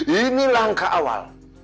ini langkah awal